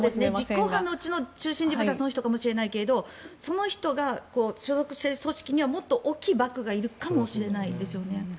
実行犯のうちの中心人物はその人かもしれないけどその人が所属している組織にはもっと大きいバックがいるかもしれないですよね。